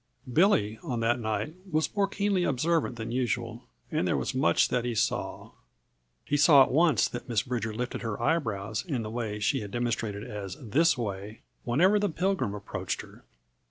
Billy, on that night, was more keenly observant than usual and there was much that he saw. He saw at once that Miss Bridger lifted her eyebrows in the way she had demonstrated as this way, whenever the Pilgrim approached her.